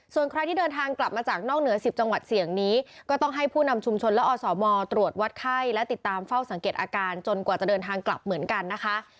ส่วนใครที่เดินทางกลับมาจากนอกเหนือ๑๐จังหวัดเสี่ยงนี้ก็ต้องให้ผู้นำชุมชนและอสมตรวจวัดไข้และติดตามเฝ้าสังเกตอาการจนกว่าจะเดินทางกลับเหมือนกันนะคะ